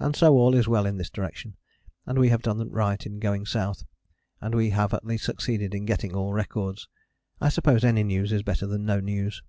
And so all is well in this direction, and we have done right in going south, and we have at least succeeded in getting all records. I suppose any news is better than no news.